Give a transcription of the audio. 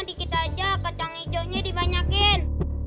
dikit aja kacang hijaunya dibanyakin